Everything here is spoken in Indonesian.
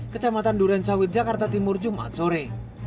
kecamatan durensawit jakarta timur jumat sore